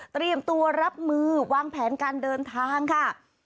เตรียมตัวรับมือวางแผนการเดินทางค่ะ